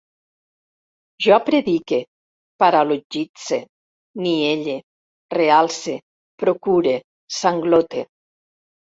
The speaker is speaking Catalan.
Jo predique, paralogitze, nielle, realce, procure, sanglote